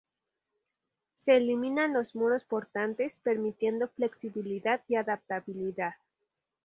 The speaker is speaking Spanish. Se eliminan los muros portantes, permitiendo flexibilidad y adaptabilidad.